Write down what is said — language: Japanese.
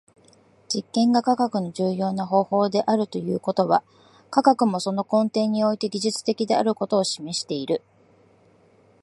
実験が科学の重要な方法であるということは、科学もその根底において技術的であることを示している。